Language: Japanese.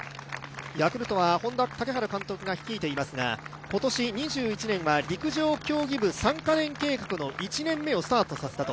ヤクルトはＨｏｎｄａの本田竹春さんが率いていますが今年２１年は陸上競技部３カ年計画の１年目をスタートさせたと。